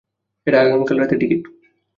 এটা আগামীকাল রাতের টিকেট।